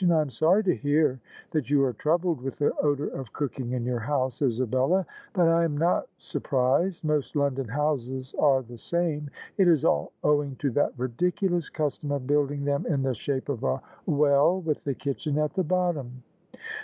" I am sorry to hear that you are troubled with the odour of cooking in your house, Isabella: but I am not sur prised. Most London houses are the same. It is all owing to that ridiculous custom of building them in the shape of a well with the kitchen at the bottom."